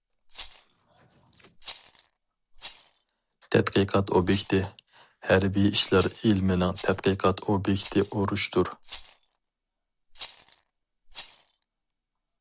تەتقىقات ئوبيېكتى ھەربىي ئىشلار ئىلمىنىڭ تەتقىقات ئوبيېكتى ئۇرۇشتۇر.